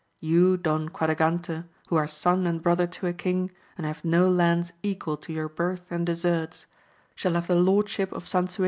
You Don Quadragante, who are son and brother to a king, and have no lands equal to your birth and deserts, shall have the lordship of San 262 AMADIS OF GAUL.